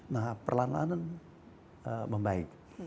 nah perlahan lahan membaik